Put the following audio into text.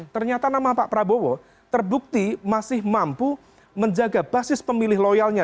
ternyata nama pak prabowo terbukti masih mampu menjaga basis pemilih loyalnya